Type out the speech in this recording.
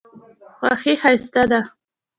خوښي ښایسته ده.